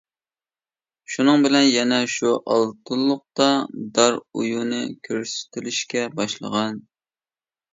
شۇنىڭ بىلەن، يەنە شۇ ئالتۇنلۇقتا دار ئويۇنى كۆرسىتىلىشكە باشلىغان.